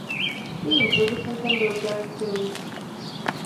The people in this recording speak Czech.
Jejím producentem byl Gareth Jones.